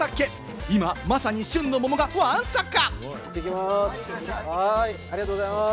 今まさに旬の桃がわんさか！